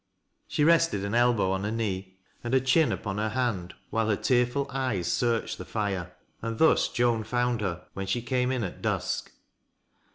She rested an elbow on her knee and her chin upon her hand while her tearful eyes searched the fire, and thus Joan found hei when she camp m at dusk.